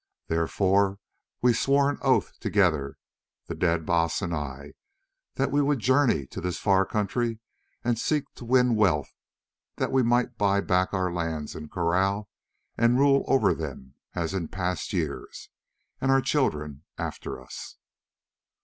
Therefore we swore an oath together, the dead Baas and I, that we would journey to this far country and seek to win wealth that we might buy back our lands and kraal and rule over them as in past years, and our children after us."